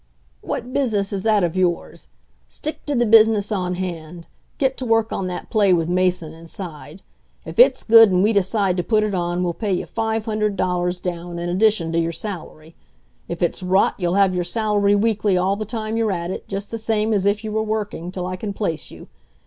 "What business is that of yours? Stick to the business on hand. Get to work on that play with Mason inside. If it's good, and we decide to put it on, we'll pay you five hundred dollars down in addition to your salary. If it's rot, you'll have your salary weekly all the time you're at it, just the same as if you were working, till I can place you.